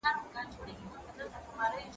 زه هره ورځ لوستل کوم،